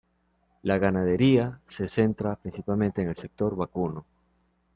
La ganadería se centra principalmente en el sector vacuno.